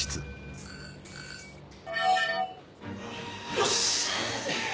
・よし！